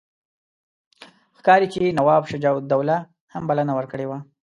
ښکاري چې نواب شجاع الدوله هم بلنه ورکړې وه.